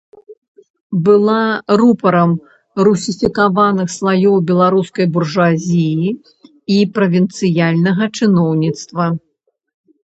Была рупарам русіфікаваных слаёў беларускай буржуазіі і правінцыяльнага чыноўніцтва.